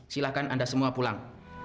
silahkan anda semua pulang